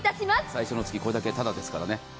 最初の月、これだけただですからね